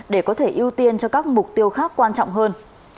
để có thể ưu tiên cho các mục tiêu khác quan trọng hơn